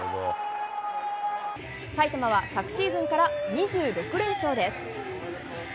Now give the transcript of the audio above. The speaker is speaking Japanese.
埼玉は昨シーズンから２６連勝です。